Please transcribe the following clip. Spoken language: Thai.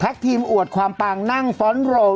พักทีมอวดความปังนั่งฟอร์นโลว์